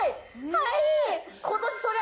はい。